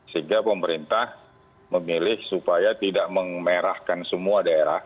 sehingga pemerintah memilih supaya tidak memerahkan semua daerah